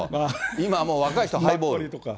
今はもう、若い人はハイボール？